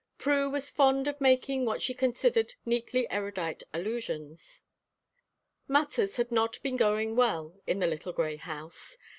Prue was fond of making what she considered neatly erudite allusions. Matters had not been going well in the little grey house.